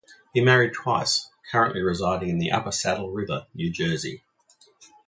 He married twice, currently residing in Upper Saddle River, New Jersey.